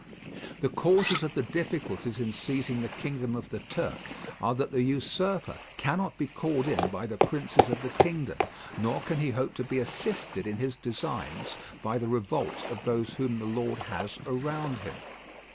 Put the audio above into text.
The causes of the difficulties in seizing the kingdom of the Turk are that the usurper cannot be called in by the princes of the kingdom, nor can he hope to be assisted in his designs by the revolt of those whom the lord has around him.